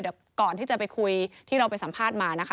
เดี๋ยวก่อนที่จะไปคุยที่เราไปสัมภาษณ์มานะคะ